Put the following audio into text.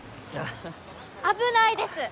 危ないです！